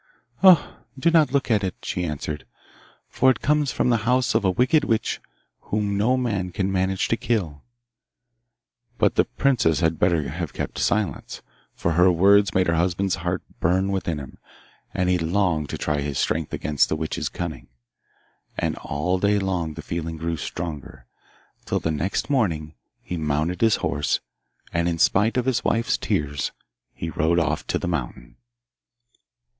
'Ah! do not look at it,' she answered, 'for it comes from the house of a wicked witch whom no man can manage to kill.' But the princess had better have kept silence, for her words made her husband's heart burn within him, and he longed to try his strength against the witch's cunning. And all day long the feeling grew stronger, till the next morning he mounted his horse, and in spite of his wife's tears, he rode off to the mountain.